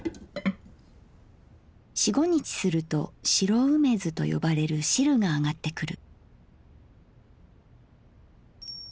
四五日すると白梅酢とよばれる汁があがってくる」。